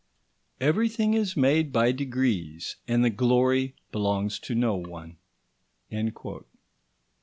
Everything is made by degrees and the glory belongs to no one."